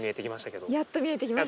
やっと見えてきました。